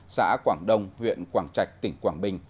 xã quảng đông huyện quảng trạch tỉnh quảng bình